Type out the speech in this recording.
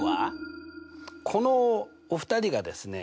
このお二人がですね